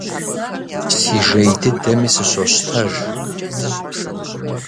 Си жей дыдэми сыщощтэж.